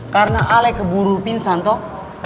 karena ale keburu pingsan toh